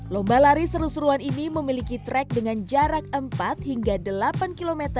lomba lari seru seruan ini memiliki track dengan jarak empat hingga delapan km